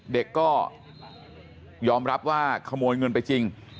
เด็กก็ยอมรับว่าขโมยเงินไปจริง